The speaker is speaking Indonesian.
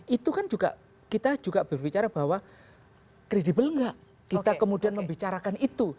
itu kan juga kita juga berbicara bahwa kredibel nggak kita kemudian membicarakan itu